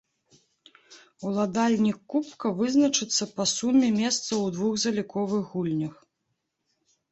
Уладальнік кубка вызначыцца па суме месцаў у двух заліковых гульнях.